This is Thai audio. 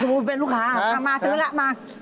น้ำมุมเป็นลูกค้ามาซื้อละมาครับ